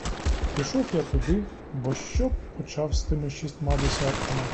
Пішов я туди, бо що б почав з тими шістьма десятками?